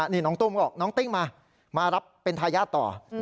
นี่น้องตุ้มก็บอกน้องติ้งมามารับเป็นทายาทต่อ